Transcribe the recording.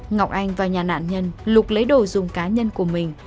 ngọc anh vào nhà nạn nhân lục lấy đồ dùng cá nhân của mình